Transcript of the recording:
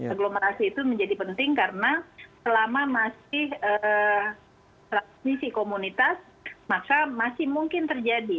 aglomerasi itu menjadi penting karena selama masih transmisi komunitas maka masih mungkin terjadi